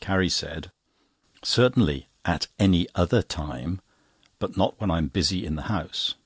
Carrie said: "Certainly—at any other time, but not when I am busy in the house."